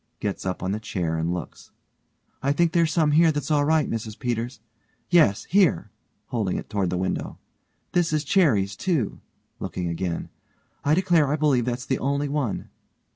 (gets up on the chair and looks) I think there's some here that's all right, Mrs Peters. Yes here; (holding it toward the window) this is cherries, too. (looking again) I declare I believe that's the only one.